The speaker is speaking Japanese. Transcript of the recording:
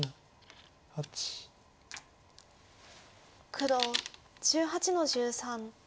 黒１８の十三。